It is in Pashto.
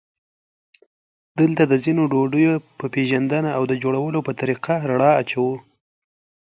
دلته د ځینو ډوډیو په پېژندنه او د جوړولو په طریقه رڼا اچوو.